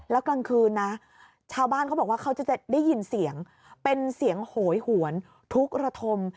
แล้วกลางคืนนะชาวบ้านเขาบอกว่าเขาจะได้ยินเสียงเป็นเสียงโหยหวนทุกระทม